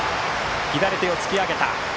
左手を突き上げた。